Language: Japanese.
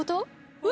うわ！